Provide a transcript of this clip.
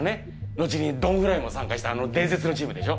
後にドン・フライも参加したあの伝説のチームでしょ？